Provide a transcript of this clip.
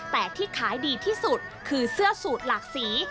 แต่ที่ขายดีที่สุดคือเสื้อสูตรหลากสี